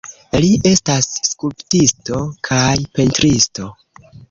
Li estas skulptisto kaj pentristo.